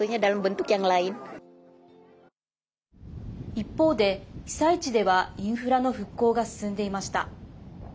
一方で被災地ではインフラの復興が進んでいました。